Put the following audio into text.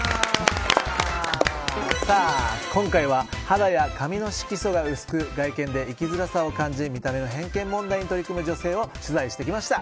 今回は肌や髪の色素が薄く外見で生きづらさを感じ見た目の偏見問題に取り組む女性を取材してきました。